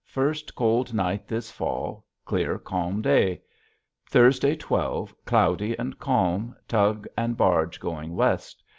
first Colld night this fall. Clear Calm Day. T. 12. Clowdy and Calm. Tug and Barg going West.